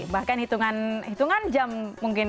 bahkan hitungan jam mungkin ya